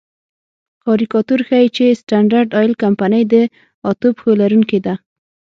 کاریکاتور ښيي چې سټنډرډ آیل کمپنۍ د اتو پښو لرونکې ده.